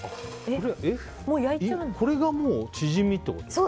これがもうチヂミってこと？